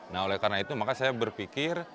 nah oleh karena itu maka saya berpikir